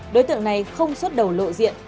đối tượng này không xuất đầu lộ diện